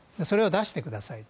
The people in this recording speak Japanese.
それを出してくださいと。